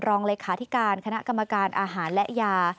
รองเลขาธิการคณะกรรมการอาหารและยา